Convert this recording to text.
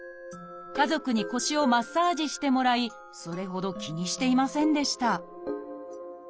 家族に腰をマッサージしてもらいそれほど気にしていませんでした